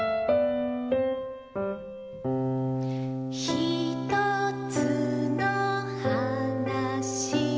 「ひとつのはなし」